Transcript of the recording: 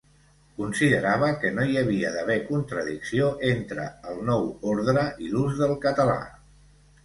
Considerava que no hi havia d'haver contradicció entre el nou ordre i l'ús del català.